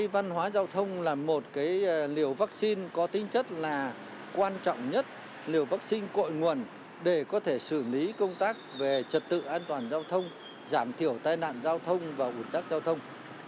văn hóa giao thông là một liều vaccine có tính chất là quan trọng nhất liều vaccine cội nguồn để có thể xử lý công tác về trật tự an toàn giao thông giảm thiểu tai nạn giao thông và ủn tắc giao thông